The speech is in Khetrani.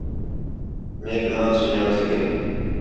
میک نان سُن٘ڄاݨ سڳے